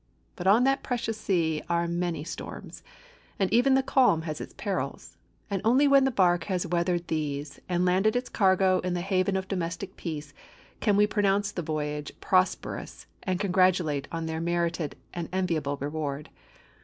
But on that precarious sea are many storms, and even the calm has its perils; and only when the bark has weathered these, and landed its cargo in the haven of domestic peace, can we pronounce the voyage prosperous and congratulate on their merited and enviable reward.